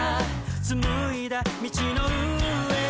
「紡いだ道の上に」